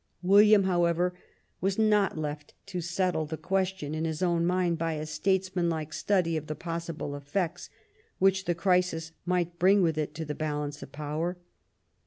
William, however, was not left to settle the question in his own mind by a statesman like study of the possi ble ^effects which the crisis might bring with it to the balance of power.